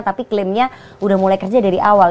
tapi klaimnya udah mulai kerja dari awal